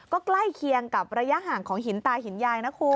ก็ใกล้เคียงกับระยะห่างของหินตาหินยายนะคุณ